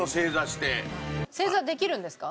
正座できるんですか？